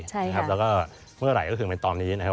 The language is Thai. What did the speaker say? ใช่ครับแล้วก็เมื่อไหร่ก็ถึงเป็นตอนนี้นะครับ